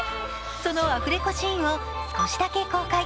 そのアフレコシーンを少しだけ公開。